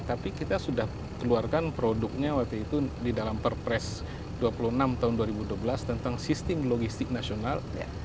tapi kita sudah keluarkan produknya waktu itu di dalam perpres dua puluh enam tahun dua ribu dua belas tentang sistem logistik nasional